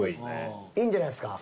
いいんじゃないですか。